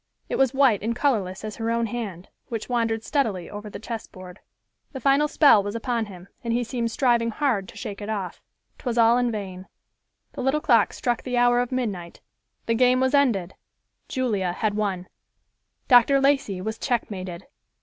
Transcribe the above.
It was white and colorless as her own hand, which wandered steadily over the chessboard. The final spell was upon him, and he seemed striving hard to shake it off. 'Twas all in vain. The little clock struck the hour of midnight. The game was ended. Julia had won. Dr. Lacey was checkmated!